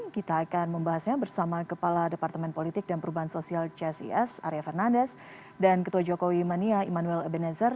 kita akan membahasnya bersama kepala departemen politik dan perubahan sosial csis arya fernandes dan ketua jokowi mania immanuel ebenezer